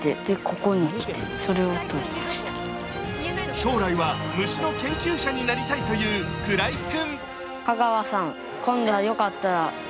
将来は虫の研究者になりたという鞍井君。